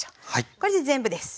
これで全部です。